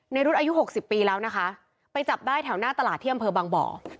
รุดอายุหกสิบปีแล้วนะคะไปจับได้แถวหน้าตลาดที่อำเภอบางบ่อ